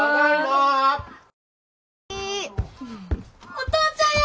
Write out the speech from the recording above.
お父ちゃんや！